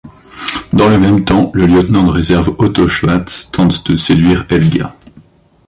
Dans le même temps, le lieutenant de réserve Otto Schatz tente de séduire Helga.